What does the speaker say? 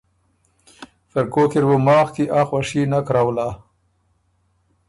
ترکوک اِر بُو ماخ کی ا خوشي نک رؤلا